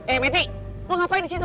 eh meti lo ngapain disitu